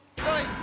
はい。